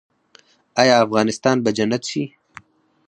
آیا افغانستان به جنت شي؟